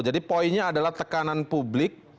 jadi poinnya adalah tekanan publik